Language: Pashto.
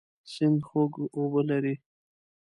سیند خوږ اوبه لري.